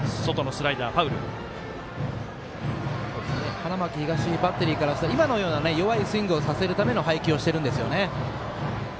花巻東バッテリーからしたら今の弱いスイングをさせるために配球をしてるんですよね。